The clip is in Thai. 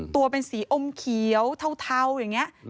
ตัวเป็นสีอมเขียวเทาอย่างนี้